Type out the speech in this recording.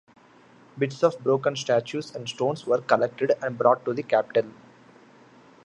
Bits of broken statues and stones were collected and brought to the capital.